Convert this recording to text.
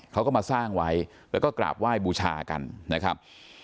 เขาก็มาสร้างไว้แล้วก็กราบไหว้บูชากันนะครับ